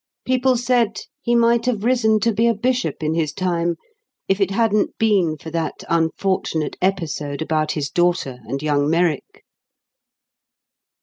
People said he might have risen to be a bishop in his time, if it hadn't been for that unfortunate episode about his daughter and young Merrick.